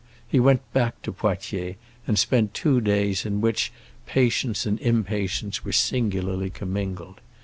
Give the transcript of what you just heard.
He went back to Poitiers, and spent two days in which patience and impatience were singularly commingled.